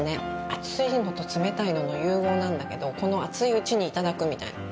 熱いのと冷たいのの融合なんだけど、この熱いうちにいただくみたいな。